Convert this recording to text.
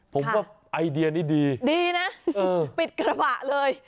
ผมว่าไอเดียนี้ดีดีนะปิดกระบะเลย